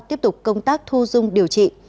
tiếp tục công tác thu dung điều trị